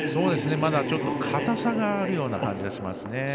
まだ硬さがあるような感じがしますね。